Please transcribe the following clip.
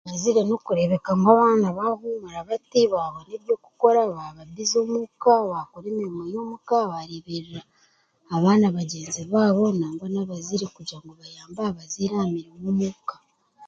Abazaire n'okureebeka ngu abaana baahuumura bati baabona eby'okukora baaba bize omuuka baakora emirimo y'omuka baareeberera abaaba bagyenzi baabo nangwa n'abazaire kugira ngu bayambe aha bazaire aha mirimo omuuka